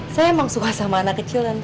saya emang suka sama anak kecil